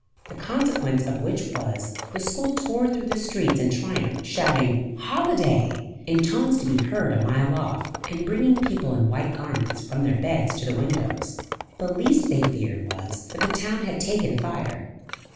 The consequence of which was, the school tore through the streets in triumph, shouting "Holiday!" in tones to be heard a mile off, and bringing people in white garments, from their beds to the windows. The least they feared was, that the town had taken fire.